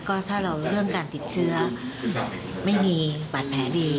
ก็ถ้าเราเรื่องการติดเชื้อไม่มีบาดแผลดี